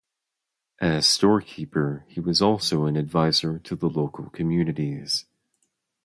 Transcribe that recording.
As storekeeper he was also an advisor to the local communities.